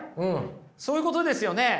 そういうことですよね？